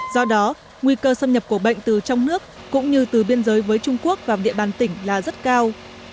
do đó nguy cơ xâm nhập của bệnh từ trong nước cũng như từ biên giới với trung quốc vào địa bàn tỉnh là rất cao